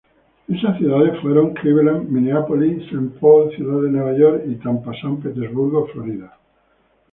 Esas ciudades fueron Cleveland, Minneapolis-Saint Paul, ciudad de Nueva York, y Tampa-San Petersburgo, Florida.